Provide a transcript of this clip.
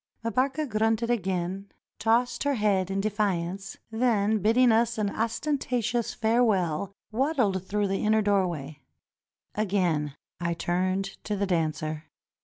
Mbarka grunted again, tossed her head in defiance, then bidding us an ostentatious farewell, waddled through the inner doorway. Again I turned to the dancer.